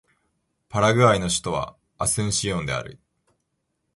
パラグアイの首都はアスンシオンである